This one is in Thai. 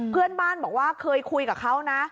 เพื่อนบ้านบอกว่าเคยคุยกับเขานะ